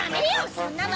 そんなの！